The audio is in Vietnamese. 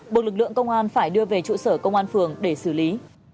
buộc lực lượng công an phải đưa về trụ sở công an phường để xử lý